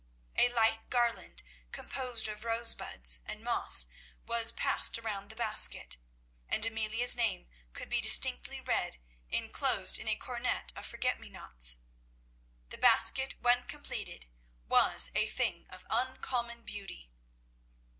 A light garland composed of rosebuds and moss was passed around the basket, and Amelia's name could be distinctly read enclosed in a coronet of forget me nots. The basket when completed was a thing of uncommon beauty.